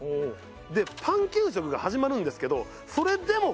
でパン給食が始まるんですけどそれでも小麦が余ったと。